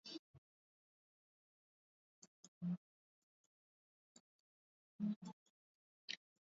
Wanyama wenye maambukizi